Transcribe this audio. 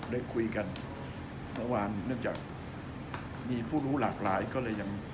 ได้คุยกันเมื่อวานเนื่องจากมีผู้รู้หลากหลายก็เลยยัง